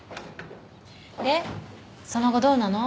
でその後どうなの？